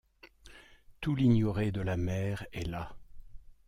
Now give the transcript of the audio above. Tout l’ignoré de la mer est là.